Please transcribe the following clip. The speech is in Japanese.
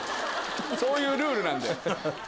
そういうルールなんで。